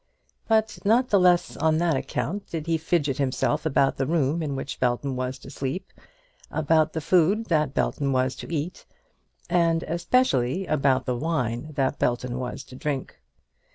But not the less on that account did he fidget himself about the room in which Belton was to sleep, about the food that Belton was to eat, and especially about the wine that Belton was to drink.